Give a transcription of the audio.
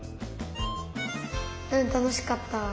うんたのしかった！